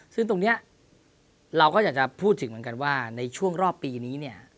ซึ่งตรงนี้เราก็อยากจะพูดถึงเหมือนกันว่าในช่วงรอบปีนี้เนี่ย